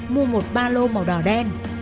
mua một ba lô màu đỏ đen